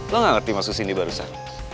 lo gak ngerti maksud sini barusan